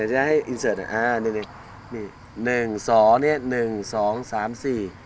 เดี๋ยวให้อ่านี่นี่หนึ่งสองเนี้ยหนึ่งสองสามสี่